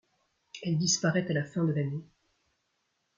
Elle disparaît à la fin de l'année.